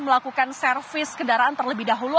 melakukan servis kendaraan terlebih dahulu